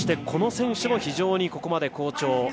この選手も非常にここまで好調。